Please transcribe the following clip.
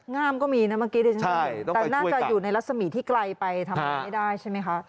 ง่ามก็มีนะเมื่อกี้ดิฉันแต่น่าจะอยู่ในรัศมีที่ไกลไปทำอะไรไม่ได้ใช่ไหมคะ